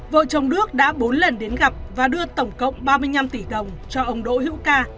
vợ chồng đức đã bốn lần đến gặp và đưa tổng cộng ba mươi năm tỷ đồng cho ông đỗ hữu ca